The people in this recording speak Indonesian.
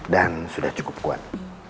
dan sudah cukup kuat